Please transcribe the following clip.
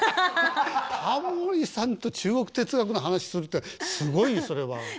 タモリさんと中国哲学の話するってすごいねそれは。